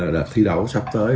đợt thi đấu sắp tới